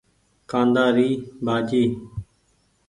ڪآندآ ري ڀآڃي۔